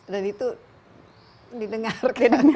dan itu didengar